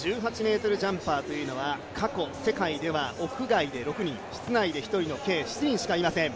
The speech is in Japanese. １８ｍジャンパーというのは過去世界では、屋外で６人、室内で１人の計７人しかいません。